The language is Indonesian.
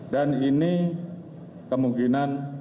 dan ini kemungkinan